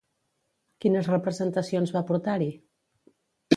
Quines representacions va portar-hi?